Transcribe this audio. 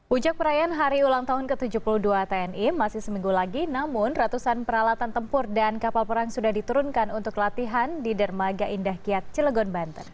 ujak perayaan hari ulang tahun ke tujuh puluh dua tni masih seminggu lagi namun ratusan peralatan tempur dan kapal perang sudah diturunkan untuk latihan di dermaga indah kiat cilegon banten